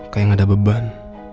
kayak ada beban